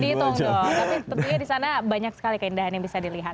dihitung dong tapi tentunya di sana banyak sekali keindahan yang bisa dilihat